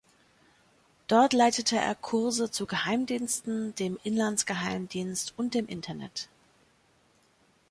Dort leitete er Kurse zu Geheimdiensten, dem Inlandsgeheimdienst und dem Internet.